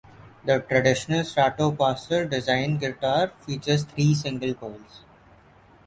The traditional Stratocaster design guitar features three single coils.